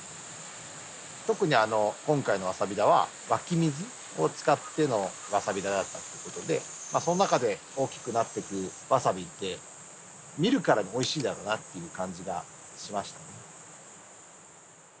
特に今回のワサビ田は湧き水を使ってのワサビ田だったっていうことでその中で大きくなってくワサビって見るからにおいしいだろうなっていう感じがしました。